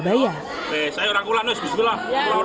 saya orang kulanus biskutlah